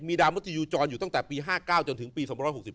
ดาวมุติยูจรอยู่ตั้งแต่ปี๕๙จนถึงปี๒๖๔